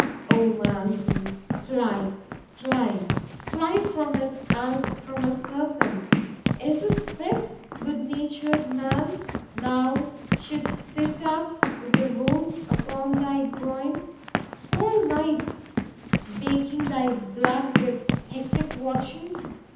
—O my uncle;—fly—fly,—fly from it as from a serpent.——Is it fit——goodnatured man! thou should'st sit up, with the wound upon thy groin, whole nights baking thy blood with hectic watchings?